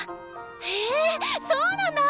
へえそうなんだ！